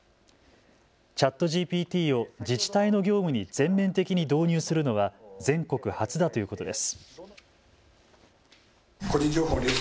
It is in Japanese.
ＣｈａｔＧＰＴを自治体の業務に全面的に導入するのは全国初だということです。